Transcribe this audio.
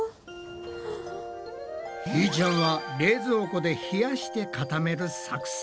ひーちゃんは冷蔵庫で冷やして固める作戦。